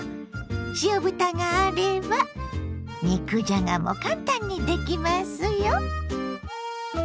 塩豚があれば肉じゃがも簡単にできますよ。